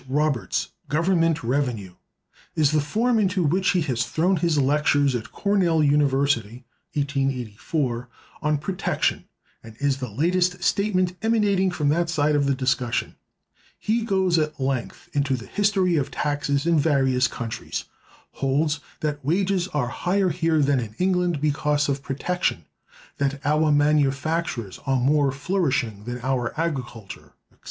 Roberts's "Government Revenue" is the form into which he has thrown his lectures at Cornell University (1884) on protection, and is the latest statement emanating from that side of the discussion. He goes at length into the history of taxes in various countries; holds that wages are higher here than in England because of protection; that our manufactures are more flourishing than our agriculture, etc.